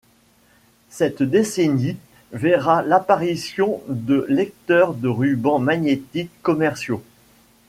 Cette décennie verra l'apparition de lecteurs de ruban magnétique commerciaux.